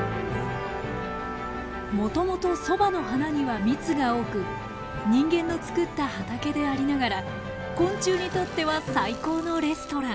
もともとソバの花には蜜が多く人間の作った畑でありながら昆虫にとっては最高のレストラン。